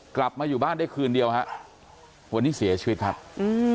กลับมาอยู่บ้านได้คืนเดียวฮะวันนี้เสียชีวิตครับอืม